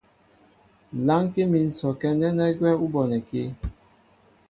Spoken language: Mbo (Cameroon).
Lánkí mín sɔkɛ́ nɛ́nɛ́ gwɛ́ ú bonɛkí.